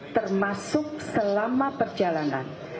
termasuk selama perjalanan